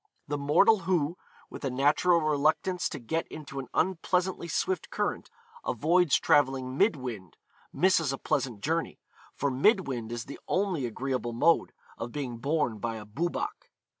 The mortal who, with a natural reluctance to get into an unpleasantly swift current, avoids travelling mid wind, misses a pleasant journey, for mid wind is the only agreeable mode of being borne by a Boobach.